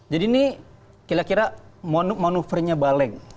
jadi ini kira kira manuvernya baleg